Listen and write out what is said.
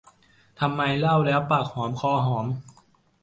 ทำไมเล่าแล้วปากหอมคอหอม